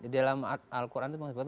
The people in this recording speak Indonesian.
dalam al qur'an itu disebutkan